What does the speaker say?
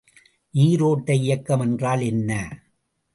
நீரோட்ட இயக்கம் என்றால் என்ன?